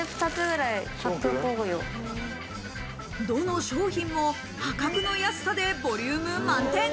どの商品も破格の安さでボリューム満点。